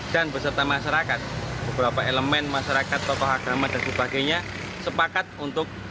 dan beserta masyarakat beberapa elemen masyarakat tokoh agama dan sebagainya sepakat untuk